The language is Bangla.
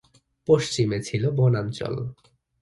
পশ্চিমে ছিল বনাঞ্চল।